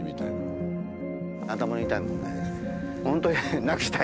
頭の痛い問題です。